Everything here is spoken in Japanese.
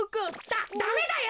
ダダメだよ！